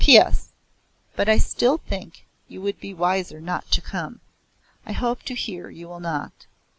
P.S. But I still think you would be wiser not to come. I hope to hear you will not.